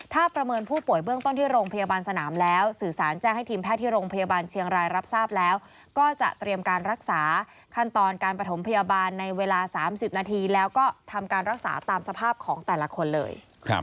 ถ้าประเมินผู้ป่วยเบื้องต้นที่โรงพยาบาลสนามแล้วสื่อสารแจ้งให้ทีมแพทย์ที่โรงพยาบาลเชียงรายรับทราบแล้วก็จะเตรียมการรักษาขั้นตอนการประถมพยาบาลในเวลา๓๐นาทีแล้วก็ทำการรักษาตามสภาพของแต่ละคนเลย